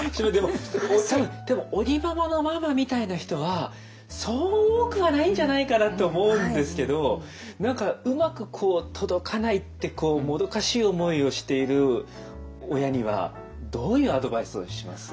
多分でも尾木ママのママみたいな人はそう多くはないんじゃないかなと思うんですけど何かうまくこう届かないってもどかしい思いをしている親にはどういうアドバイスをします？